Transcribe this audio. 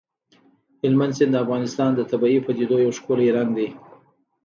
هلمند سیند د افغانستان د طبیعي پدیدو یو ښکلی رنګ دی.